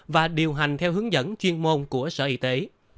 và điều hành theo hướng dẫn chuyên môn của sở y tế